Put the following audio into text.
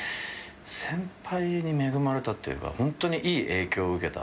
先輩に恵まれたっていうかホントにいい影響を受けた。